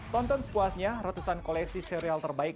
tonton sepuasnya ratusan koleksi serial terbaik